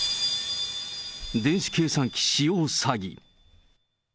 電子計算機使用詐欺。